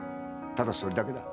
ただそれだけだ。